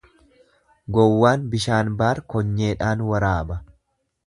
Gowwaan bishaan baar konyeedhaan waraaba.